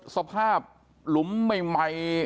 สมบาปหลุมใหม่